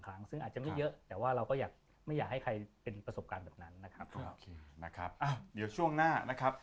โอเคนะครับเดี๋ยวช่วงหน้า